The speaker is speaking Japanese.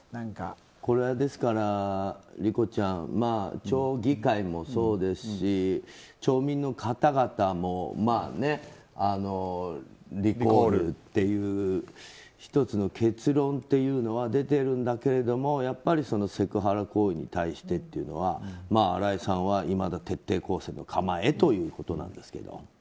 ですから、理子ちゃん町議会もそうですし町民の方々もリコールという１つの結論というのは出ているんだけれどもやっぱりセクハラ行為に対して新井さんはいまだ徹底抗戦の構えということなんですけど。